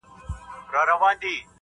نیم پر تخت د شاه جهان نیم قلندر دی!